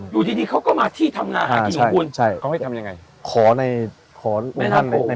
อยู่ที่นี่เขาก็มาที่ทำงานหากินหรือคุณใช่ใช่เขาให้ทำยังไงขอใน